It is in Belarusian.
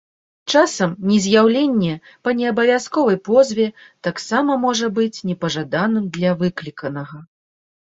Часам нез'яўленне па неабавязковай позве таксама можа быць непажаданым для выкліканага.